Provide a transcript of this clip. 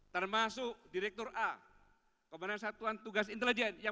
termasuk direktur a komandan satuan tugas intelijen